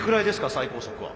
最高速は。